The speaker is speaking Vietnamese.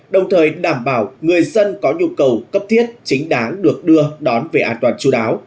đồng thời đảm bảo người dân có nhu cầu cấp thiết chính đáng được đưa đón về an toàn chú đáo